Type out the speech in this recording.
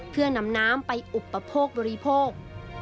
เพื่อนำน้ำไปอุปโภคบริโภค